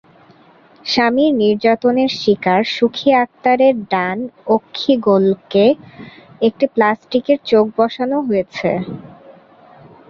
স্বামীর নির্যাতনের শিকার সুখী আক্তারের ডান অক্ষিগোলকে একটি প্লাস্টিকের চোখ বসানো হয়েছে।